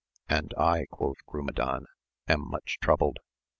And J, quoth Grumedan, am much troubled.